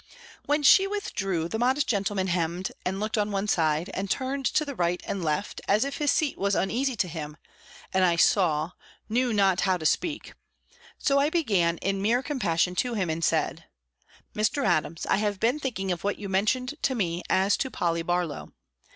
When she withdrew, the modest gentleman hemmed, and looked on one side, and turned to the right and left, as if his seat was uneasy to him, and, I saw, knew not how to speak; so I began in mere compassion to him, and said "Mr. Adams, I have been thinking of what you mentioned to me, as to Polly Barlow."